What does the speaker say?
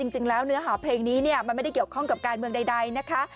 เนื้อหาเพลงนี้มันไม่ได้เกี่ยวข้องกับการเมืองใดนะคะ